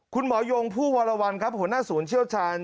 ยงผู้วรวรรณครับหัวหน้าศูนย์เชี่ยวชาญ